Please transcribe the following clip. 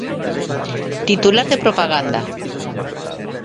Titular de propaganda.